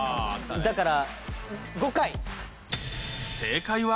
だから。